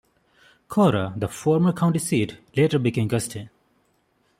Cora, the former county seat, later became Gustine.